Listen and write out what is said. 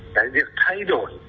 cái việc thay đổi